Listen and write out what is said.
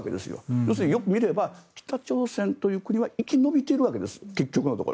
要するによく見れば北朝鮮という国は生き延びているわけです結局のところ。